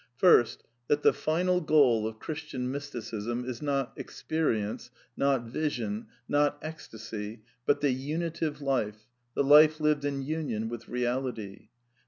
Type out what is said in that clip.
First, that mennal goal of Christian Mysticism is not^i^ —" experience," not vision, not ecstasy, but the Unitive^' Life, the life lived in union with Eeality.